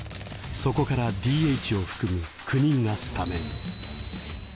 そこからＤＨを含む９人がスタメン。